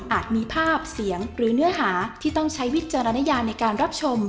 มีภาพเสียงหรือเนื้อหาที่ต้องใช้วิจารณญาในการรับชม